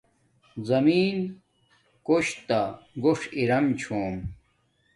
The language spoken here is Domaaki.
زمین کوش تہ گوݽ ارم چھوم